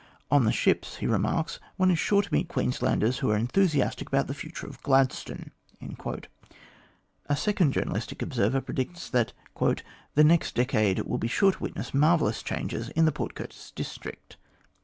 On the ships," he remarks, " one is sure to meet Queenslanders who are enthusiastic about the future of Gladstone." A second journalistic observer predicts that " the next decade will be sure to witness marvellous changes in the Port Curtis district."